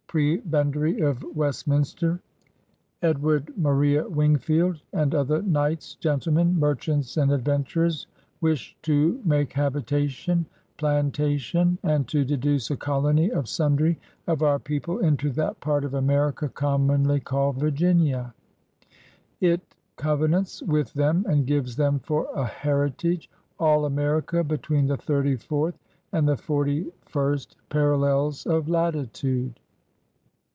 Prebendary of Westminster, Edward THE THBEE SHIPS SAIL 5 Maria Wingfield, and other knights, gentlemen, merchants, and adventurers, wish to make habi tation, plantation, and to deduce a colony of sundry of our people into that part of America commonly called Virginia/' It covenants with them and gives them for a heritage all America between the thirty fourth and the forty first par allels of latitude.